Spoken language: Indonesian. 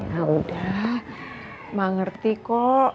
ya udah emak ngerti kok